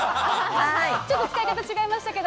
ちょっと使い方違いましたけど。